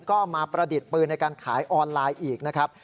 ก็มาประดิษฐ์ปืนในการขายออนไลน์อีกนะครับ